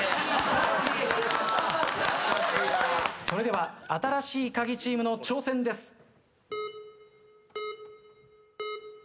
それでは新しいカギチームの挑戦です。